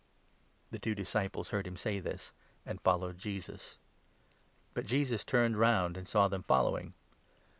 " The two disciples heard him say this, and followed Jesus. 37 But Jesus turned round, and saw them following.